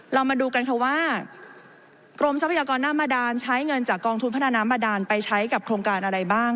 เรามาดูกันค่ะว่ากรมทรัพยากรน้ำบาดานใช้เงินจากกองทุนพัฒนาน้ำบาดานไปใช้กับโครงการอะไรบ้าง